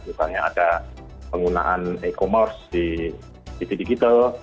misalnya ada penggunaan e commerce di tv digital